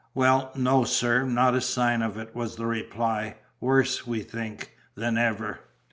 "Well, no, sir, not a sign of it," was the reply. "Worse, we think, than ever."